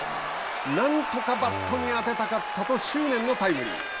なんとかバットに当てたかったと執念のタイムリー。